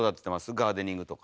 ガーデニングとか。